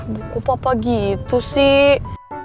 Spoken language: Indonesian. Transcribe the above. buku papa gitu sih